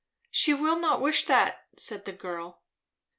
"She will not wish that," said the girl.